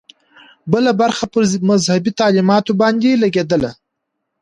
بله برخه پر مذهبي تعلیماتو باندې لګېدله.